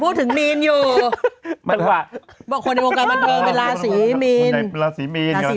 เดินเข้ามาได้